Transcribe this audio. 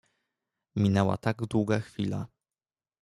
"Minęła tak długa chwila."